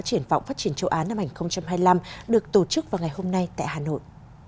triển vọng phát triển châu á năm hai nghìn hai mươi năm được tổ chức vào ngày hôm nay tại hà nội